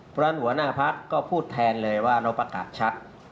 เพราะฉะนั้นหัวหน้าพักก็พูดแทนเลยว่าเราประกาศชัด